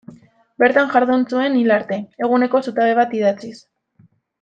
Bertan jardun zuen hil arte, eguneko zutabe bat idatziz.